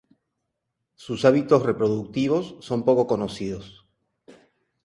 Sus hábitos reproductivos son poco conocidos.